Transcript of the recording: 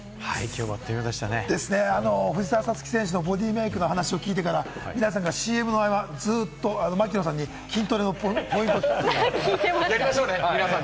きょう藤澤選手のボディメイクの話を聞いてから、皆さんがＣＭの間ずっと、槙野さんに筋トレのポイントを聞くという。